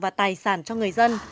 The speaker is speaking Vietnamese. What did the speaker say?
và tài sản cho người dân